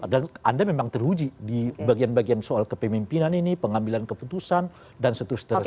dan anda memang teruji di bagian bagian soal kepemimpinan ini pengambilan keputusan dan seterus terusan